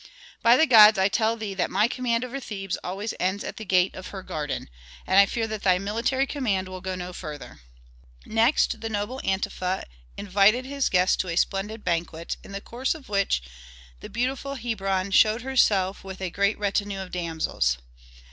By the gods, I tell thee that my command over Thebes always ends at the gate of her garden. And I fear that thy military command will go no farther." Next the noble Antefa invited his guests to a splendid banquet, in the course of which the beautiful Hebron showed herself with a great retinue of damsels.